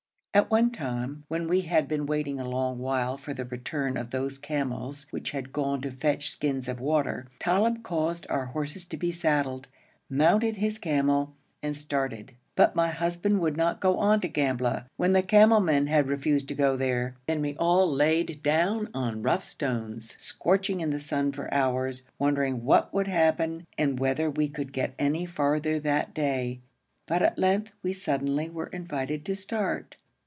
At one time, when we had been waiting a long while for the return of those camels which had gone to fetch skins of water, Talib caused our horses to be saddled, mounted his camel, and started, but my husband would not go on to Gambla, when the camel men had refused to go there. Then we all lay down on rough stones, scorching in the sun for hours, wondering what would happen and whether we could get any farther that day, but at length we suddenly were invited to start.